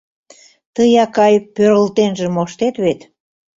Тый, акай, пӧрылтенже моштет вет?